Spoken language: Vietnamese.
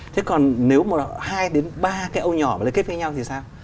chứ còn nếu mà hai đến ba cái ô nhỏ mà kết với nhau thì sao